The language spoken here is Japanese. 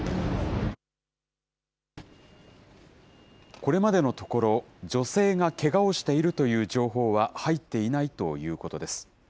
これまでのところ、女性がけがをしているという情報は入っていないということです。